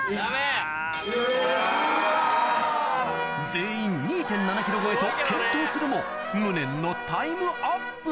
うわ・全員２．７ｋｇ超えと健闘するも無念のタイムアップ